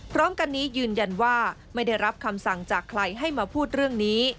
พร้อมกันนี้ยืนยันว่าไม่ได้รับคำสั่งจากใครให้มาพูดเรื่องนี้